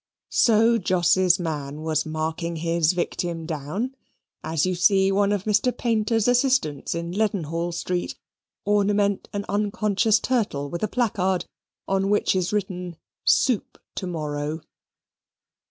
So Jos's man was marking his victim down, as you see one of Mr. Paynter's assistants in Leadenhall Street ornament an unconscious turtle with a placard on which is written, "Soup to morrow."